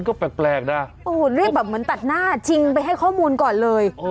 ก็คือมันตัดหน้าชิงไปให้ข้อมูลก่อนเลย